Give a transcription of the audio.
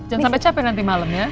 jangan sampai capek nanti malam ya